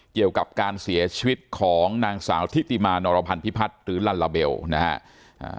เกี่ยวกับการเสียชีวิตของนางสาวทิติมานรพันธิพัฒน์หรือลัลลาเบลนะฮะ